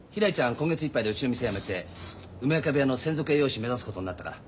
今月いっぱいでうちの店辞めて梅若部屋の専属栄養士目指すことになったから。